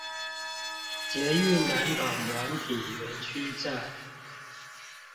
捷運南港軟體園區站